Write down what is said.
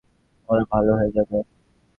ওরা ভালো হয়ে যাবে।